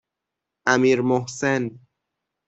امیرمحسن